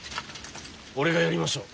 俺がやりましょう。